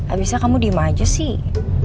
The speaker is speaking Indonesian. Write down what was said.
abisnya kamu diem aja sih